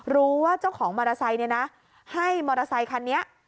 รู้ว่าเจ้าของมอเตอร์ไซค์เนี่ยนะให้มอเตอร์ไซคันนี้